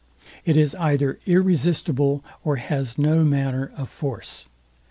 It is either irresistible, or has no manner of force.